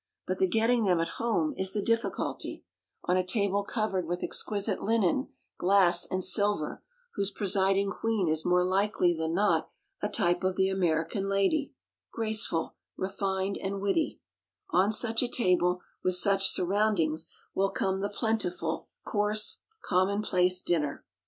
But the getting them at home is the difficulty; on a table covered with exquisite linen, glass, and silver, whose presiding queen is more likely than not a type of the American lady graceful, refined, and witty on such a table, with such surroundings, will come the plentiful, coarse, commonplace dinner.